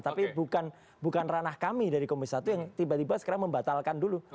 tapi bukan ranah kami dari komisi satu yang tiba tiba sekarang membatalkan dulu